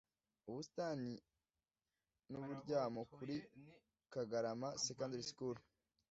Ubusitani n uburyamo kuri Kagarama Secondary School